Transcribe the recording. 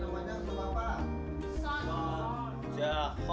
pertama mengajukan penelitian yang berbeda